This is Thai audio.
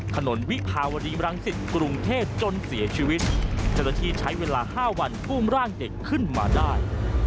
ขนวิภาวริรังสิทธิ์กรุงเทศจนเสียชีวิตเฉพาะที่ใช้เวลา๕วันปุ้มร่างเด็กขึ้นมาได้